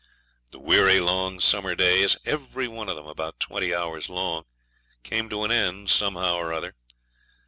The weary long summer days every one of them about twenty hours long came to an end somehow or other.